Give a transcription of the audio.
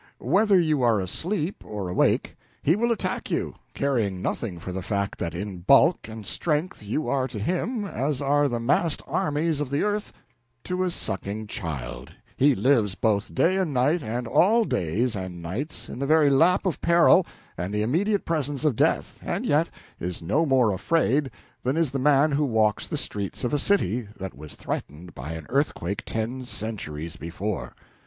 Whether you are asleep or awake he will attack you, caring nothing for the fact that in bulk and strength you are to him as are the massed armies of the earth to a sucking child; he lives both day and night and all days and nights in the very lap of peril and the immediate presence of death, and yet is no more afraid than is the man who walks the streets of a city that was threatened by an earthquake ten centuries before.